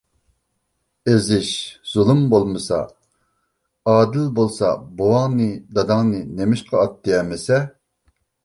-ئېزىش، زۇلۇم بولمىسا، ئادىل بولسا، بوۋاڭنى، داداڭنى نېمىشقا ئاتتى ئەمىسە؟